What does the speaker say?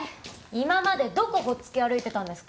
今までどこほっつき歩いてたんですか？